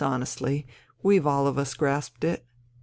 honestly ... we've all of us grasped it.